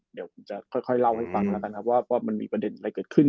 เดี๋ยวผมจะค่อยเล่าให้ฟังแล้วกันครับว่ามันมีประเด็นอะไรเกิดขึ้น